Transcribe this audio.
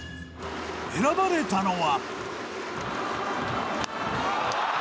選ばれたのは。